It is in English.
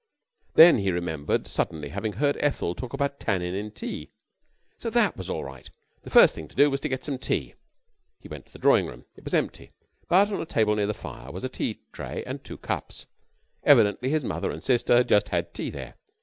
Then he remembered suddenly having heard Ethel talk about the "tannin'" in tea. So that was all right. The first thing to do was to get some tea. He went to the drawing room. It was empty, but upon the table near the fire was a tea tray and two cups. Evidently his mother and sister had just had tea there.